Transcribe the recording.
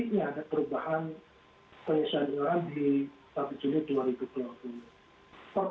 dengan pembaharangan diterbitkan perpres yang memang merupakan tidak lanjut dari kebesar mahkamah agung